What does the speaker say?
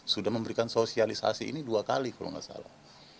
sudah memberikan sosialisasi ini dua kali kalau nggak salah